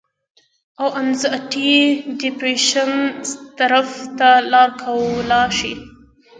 او انزائټي ډپرېشن طرف ته لار کولاو شي